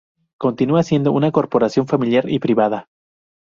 Continúa siendo una corporación familiar y privada.